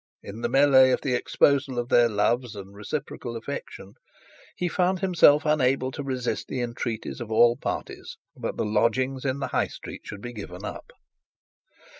In the melee of the exposal of their loves and reciprocal affection, he found himself unable to resist the entreaties of all parties that his lodgings in the High Street should be given up.